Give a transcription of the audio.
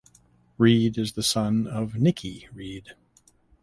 Reed is the son of Nikki Reed.